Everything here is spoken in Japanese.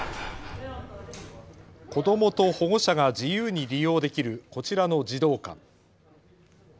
子どもと保護者が自由に利用できるこちらの児童館。